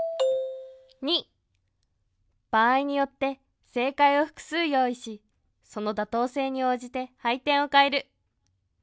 場合によって正解を複数用意しその妥当性に応じて配点を変える。